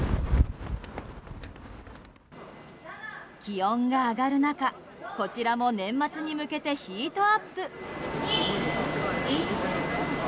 気温が上がる中、こちらも年末に向けてヒートアップ。